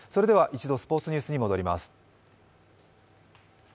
一度スポーツニュースに戻ります。